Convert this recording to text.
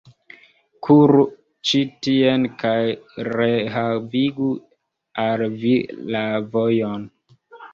Kuru ĉi tien, kaj rehavigu al vi la vojon!